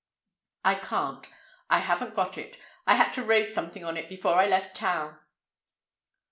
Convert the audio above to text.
"I can't. I haven't got it. I had to raise something on it before I left town."